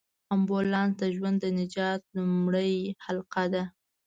امبولانس د ژوند د نجات لومړۍ حلقه ده.